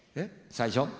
最初。